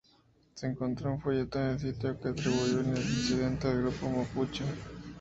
Se encontró un folleto en el sitio que atribuyó el incidente al grupo mapuche.